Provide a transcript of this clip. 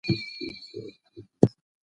د فرد نظریات د یوې ټولنې ځواک او کمزوري ښیي.